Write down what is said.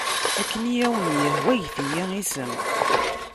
Akken i wen-yehwa get-iyi isem.